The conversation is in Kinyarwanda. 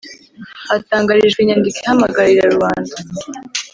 hatangarijwe inyandiko ihamagarira rubanda